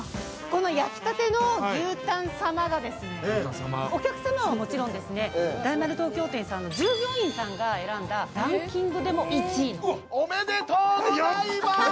焼きたての牛たん様はお客様はもちろん大丸東京店さんの従業員さんが選んだランキングでも１位。